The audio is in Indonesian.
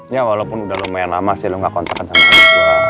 ya walaupun udah lumayan lama sih lo gak kontak sama adik gue